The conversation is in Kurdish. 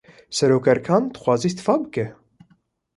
Serokerkan, dixwaze îstîfa bike